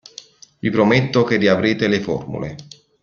Vi prometto che riavrete le formule.